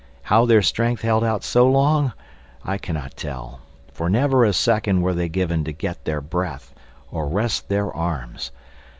How their strength held out so long I cannot tell, for never a second were they given to get their breath or rest their arms.